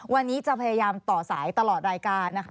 วันนี้จะพยายามต่อสายตลอดรายการนะคะ